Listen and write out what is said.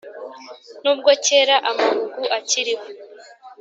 n'ubwo kera amahugu akiriho